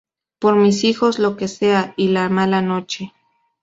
Por mis hijos lo que sea" y "La mala noche".